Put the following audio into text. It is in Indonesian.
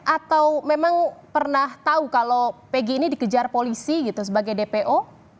atau memang pernah tahu kalau pg ini dikejar polisi gitu sebagai dpo